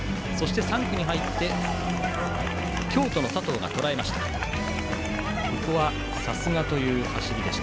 ３区に入って京都の佐藤がとらえました。